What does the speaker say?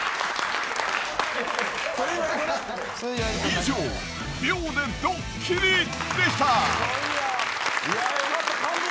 ［以上秒でドッキリでした］よかった。